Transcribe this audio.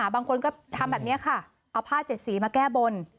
บางคนก็ทำแบบนี้ค่ะเอาผ้าเจ็ดสีมาแก้บน